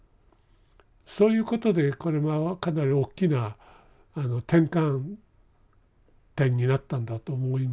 そういうことでこれはかなり大きな転換点になったんだと思います。